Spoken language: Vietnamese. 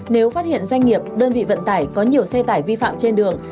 nếu phát hiện doanh nghiệp đơn vị vận tải có nhiều xe tải vi phạm trên đường